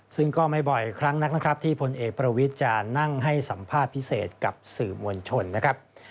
ซึ่งก็ไม่บ่อยครั้งนักนะครับที่พลเอกประวิทย์จะนั่งให้สัมภาษณ์พิเศษกับสื่อมวลชนนะครับ